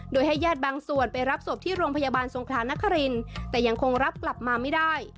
โดยให้ญาติบางส่วนไปรับศพที่โรงพยาบาลสงครานครินแต่ยังคงรับกลับมาไม่ได้